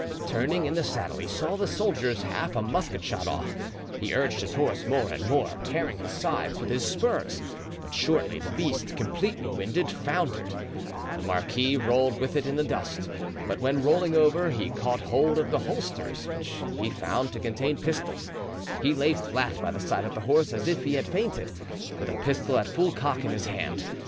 Turning in the saddle, he saw the soldiers half a musket shot off; he urged his horse more and more, tearing his sides with his spurs; but shortly the beast, completely winded, foundered; the marquis rolled with it in the dust, but when rolling over he caught hold of the holsters, which he found to contain pistols; he lay flat by the side of the horse, as if he had fainted, with a pistol at full cock in his hand.